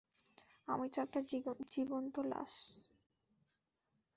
আমি তো একটা জীবন্ত লাশ।